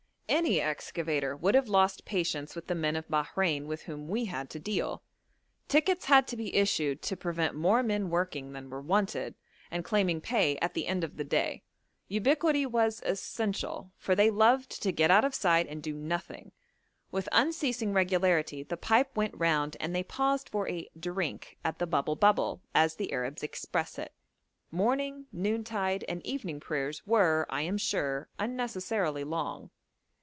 Any excavator would have lost patience with the men of Bahrein with whom we had to deal; tickets had to be issued to prevent more men working than were wanted, and claiming pay at the end of the day; ubiquity was essential, for they loved to get out of sight and do nothing; with unceasing regularity the pipe went round and they paused for a 'drink' at the bubble bubble, as the Arabs express it; morning, noon tide, and evening prayers were, I am sure, unnecessarily long.